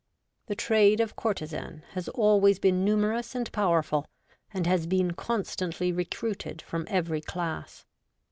The trade of courtesan has always been numerous and powerful, and has been constantly recruited from every class.